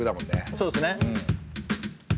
そうですね。